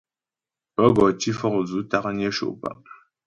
Pə́ gɔ tǐ fɔkdzʉ̌ taknyə sho' pǎ'.